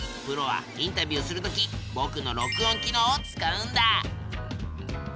プロはインタビューするときぼくの録音機能を使うんだ。